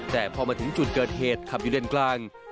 แต่พอมาถึงจุดเกิดเหตุขับอยู่เลนกลาง